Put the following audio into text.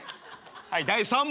はい第３問。